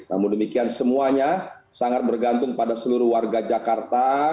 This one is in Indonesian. namun demikian semuanya sangat bergantung pada seluruh warga jakarta